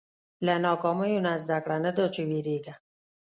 • له ناکامیو نه زده کړه، نه دا چې وېرېږه.